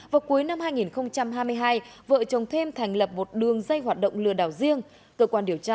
vào cuối năm hai nghìn hai mươi hai vợ chồng thêm thành lập một đường dây hoạt động lừa đảo riêng cơ quan điều tra